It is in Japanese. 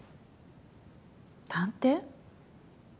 探偵？